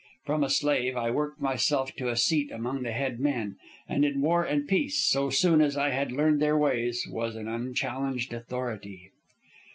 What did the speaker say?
From a slave, I worked myself to a seat among the head men, and in war and peace, so soon as I had learned their ways, was an unchallenged authority.